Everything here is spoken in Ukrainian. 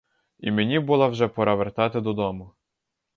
І мені була вже пора вертати додому.